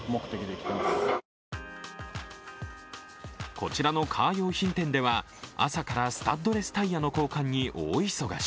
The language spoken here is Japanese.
こちらのカー用品店では朝からスタッドレスタイヤの交換に大忙し。